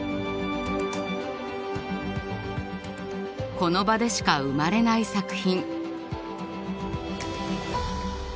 この場でしか生まれない作品。